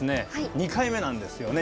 ２回目なんですよね